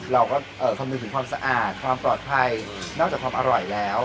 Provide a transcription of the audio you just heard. เราก็คำนึงถึงความสะอาดความปลอดภัยนอกจากความอร่อยแล้ว